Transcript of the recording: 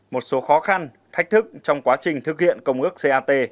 một số khó khăn thách thức trong quá trình thực hiện công ước cat